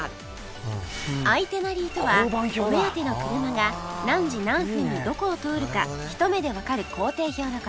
アイテナリーとはお目当ての車が何時何分にどこを通るかひと目でわかる行程表の事